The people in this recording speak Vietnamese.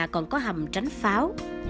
còn có hầm tránh pháo